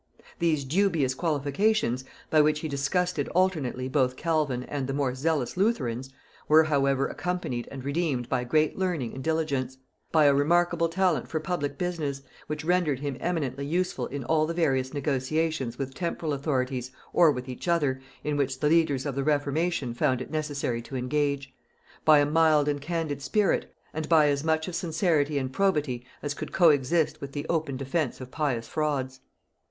These dubious qualifications, by which he disgusted alternately both Calvin and the more zealous Lutherans, were however accompanied and redeemed by great learning and diligence; by a remarkable talent for public business, which rendered him eminently useful in all the various negotiations with temporal authorities, or with each other, in which the leaders of the reformation found it necessary to engage; by a mild and candid spirit, and by as much of sincerity and probity as could co exist with the open defence of pious frauds.